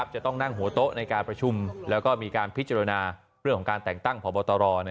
จะต้องนั่งหัวโต๊ะในการประชุมแล้วก็มีการพิจารณาเรื่องของการแต่งตั้งพบตร